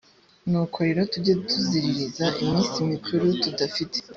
nuko rero tujye tuziririza iminsi mikuru tudafite